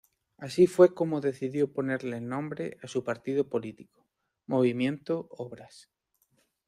Así fue como decidió ponerle el nombre a su partido político: Movimiento Obras.